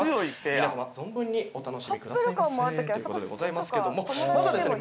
皆様存分にお楽しみくださいませという事でございますけどもまずはですね